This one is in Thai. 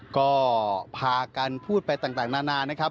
ก็พากันพูดไปต่างนาน